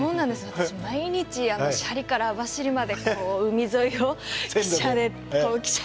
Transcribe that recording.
私毎日斜里から網走までこう海沿いを汽車で。